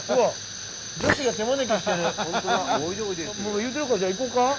言うてるからじゃあ行こうか？